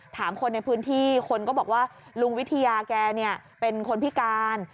ถามคนในพื้นที่คนก็บอกว่าลุงวิทยาแกเป็นคนพิการ